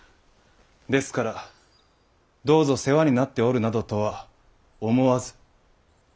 ですからどうぞ世話になっておるなどとは思わず。